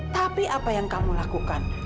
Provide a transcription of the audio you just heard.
tapi apa yang kamu lakukan